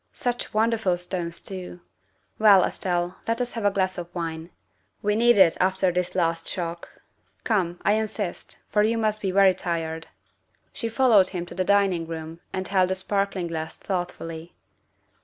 Such wonderful stones too ! Well, Estelle, let us have a glass of wine. We need it after this last shock. Come, I insist, for you must be very tired." She followed him to the dining room and held the sparkling glass thoughtfully.